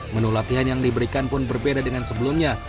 menu latihan yang diberikan pun berbeda dengan sebelumnya